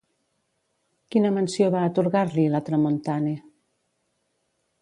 Quina menció va atorgar-li La Tramontane?